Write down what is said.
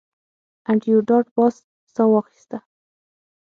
انډریو ډاټ باس ساه واخیسته